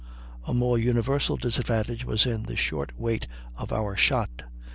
A more universal disadvantage was in the short weight of our shot.